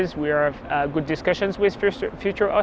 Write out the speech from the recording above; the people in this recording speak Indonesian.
kami memiliki diskusi yang baik dengan kembali ocd